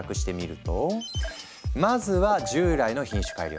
まずは従来の品種改良。